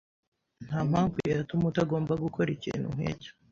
Ntampamvu yatuma utagomba gukora ikintu nkicyo.